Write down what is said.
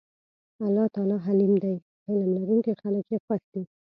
الله تعالی حليم دی حِلم لرونکي خلک ئي خوښ دي